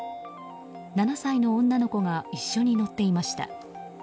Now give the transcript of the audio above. ７歳の女の子が一緒に乗っていました。